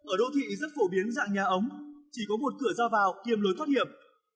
ở đô thị rất phổ biến dạng nhà ống chỉ có một cửa ra vào kiêm lối thoát hiểm